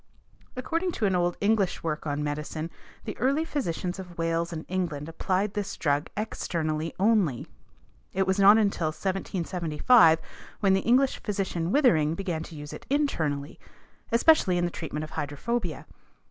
According to an old English work on medicine the early physicians of Wales and England applied this drug externally only. It was not until 1775 when the English physician Withering began to use it internally, especially in the treatment of hydrophobia.